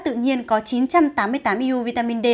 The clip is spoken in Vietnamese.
tự nhiên có chín trăm tám mươi tám iu vitamin d